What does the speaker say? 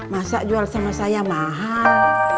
masa jual sama saya mahal